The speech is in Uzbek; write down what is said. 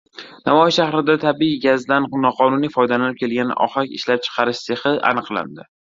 Navoiy shahrida tabiiy gazdan noqonuniy foydalanib kelgan ohak ishlab chiqarish sexi aniqlandi